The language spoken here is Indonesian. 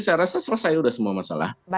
saya rasa selesai sudah semua masalah